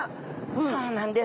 そうなんです。